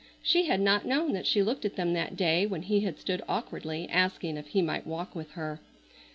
She had not known that she looked at them that day when he had stood awkwardly asking if he might walk with her.